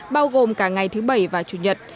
bao gồm cả ngày thứ bảy và chủ nhật